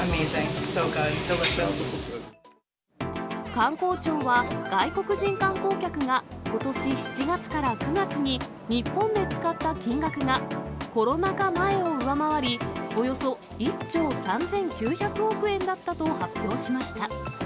観光庁は外国人観光客がことし７月から９月に日本で使った金額が、コロナ禍前を上回り、およそ１兆３９００億円だったと発表しました。